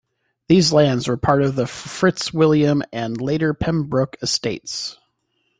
These lands were part of the Fitzwilliam and later Pembroke Estates.